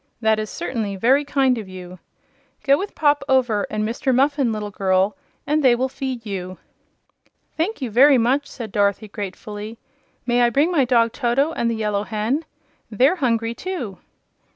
"That is certainly very kind of you. Go with Pop Over and Mr. Muffin, little girl, and they will feed you." "Thank you very much," said Dorothy, gratefully. "May I bring my dog Toto, and the Yellow Hen? They're hungry, too."